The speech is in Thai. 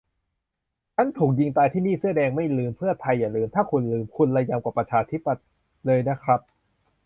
- "ฉันถูกยิงตายที่นี่" เสื้อแดงไม่ลืม เพื่อไทยอย่าลืม ถ้าคุณลืม คุณระยำกว่าประชาธิปัตย์เลยนะครับ